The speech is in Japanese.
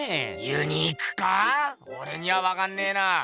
オレにはわかんねぇな。